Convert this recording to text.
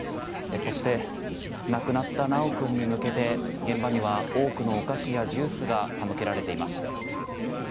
そして、亡くなった修君に向けて現場には多くのお菓子やジュースが手向けられています。